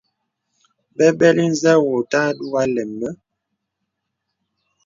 Bəbələ nzə wò òtà àdógā lēm mə.